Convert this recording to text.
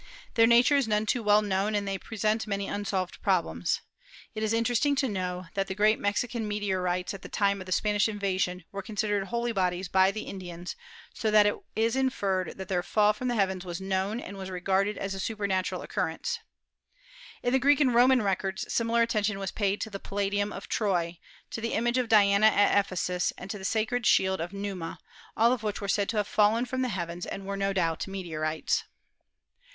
Their nature is none too well known and they present many unsolved problems. It is interesting to COMETS, METEORS AND METEORITES 253 know that the great Mexican meteorites at the time of the Spanish invasion were considered holy bodies by the Indians, so that it is inferred that their fall from the heavens was known and was regarded as a supernatural occurrance. In the Greek and Roman records similar attention was paid to the palladium of Troy, to the image of Diana at Ephesus and to the sacred shield of Numa, all of which were said to have fallen from the heavens and were no doubt meteorites.